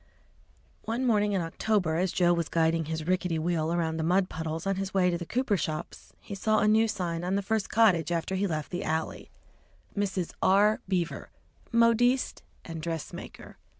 One morning in October, as Joe was guiding his rickety wheel around the mud puddles on his way to the cooper shops, he saw a new sign on the first cottage after he left the alley "Mrs. R. Beaver, Modiste & Dress Maker."